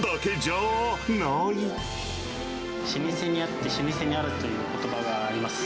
老舗にあって老舗にあらずということばがあります。